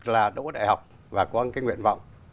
là đâu có đại học và có cái nguyện vọng